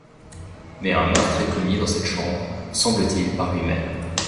Mais un meurtre est commis dans cette chambre, semble-t-il par lui-même.